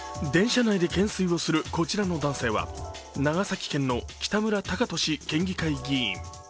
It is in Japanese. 電車内で懸垂をするこちらの男性は長野県の北村貴寿県議会議員。